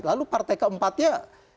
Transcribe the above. lalu partai keempatnya